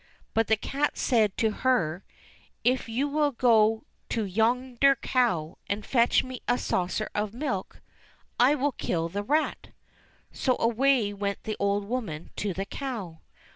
But the cat said to her, " If you will go to yonder cow, and fetch me a saucer of milk, I will kill the rat." So away went the old woman to the cow.